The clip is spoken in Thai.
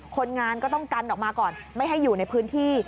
คนงานก็ต้องกันออกมาก่อนไม่ให้อยู่ในพื้นที่